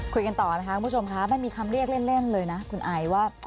คุยกันต่อนะคะคุณผู้ชมคะมันมีคำเรียกเล่นเลยนะคุณไอว่า